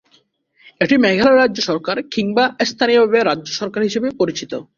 এটি মেঘালয় রাজ্য সরকার কিংবা স্থানীয়ভাবে রাজ্য সরকার হিসাবেও পরিচিত।